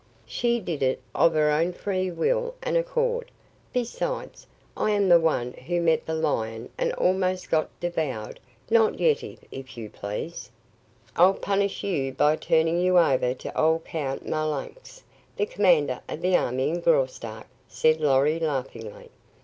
She did it of her own free will and accord. Besides, I am the one who met the lion and almost got devoured, not Yetive, if you please." "I'll punish you by turning you over to old Count Marlanx, the commander of the army in Graustark," said Lorry, laughingly.